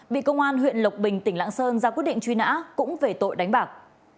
bị công an huyện lộc bình tỉnh lạng sơn ra quyết định truy nã cũng về tội đánh bạc